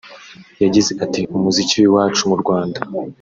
yagize ati “Umuziki w’iwacu mu Rwanda